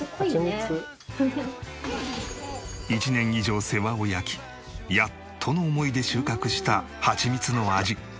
１年以上世話を焼きやっとの思いで収穫したハチミツの味。